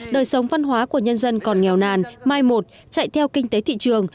đời sống văn hóa của nhân dân còn nghèo nàn mai một chạy theo kinh tế thị trường